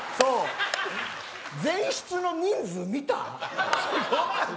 前室の人数、見た。